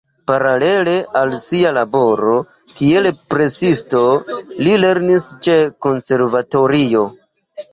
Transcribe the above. Paralele al sia laboro kiel presisto li lernis ĉe konservatorio.